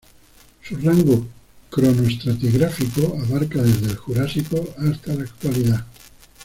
Su rango cronoestratigráfico abarca desde el Jurásico hasta la actualidad.